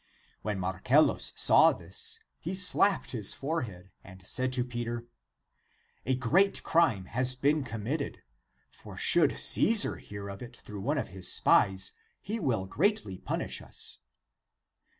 When Marcellus saw this, he slapped his forehead and said to Peter, " A great crime has been committed; for should Caesar hear of it through one of his spies, he will greatly punish us."